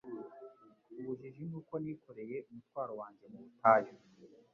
Ubujiji ni uko nikoreye umutwaro wanjye mu butayu.